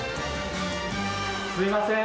すいません！